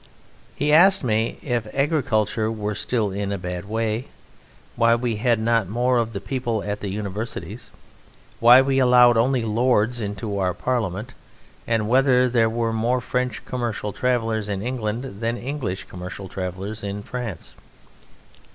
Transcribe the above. He asked me if agriculture were still in a bad way; why we had not more of the people at the Universities; why we allowed only lords into our Parliament, and whether there were more French commercial travellers in England than English commercial travellers in France.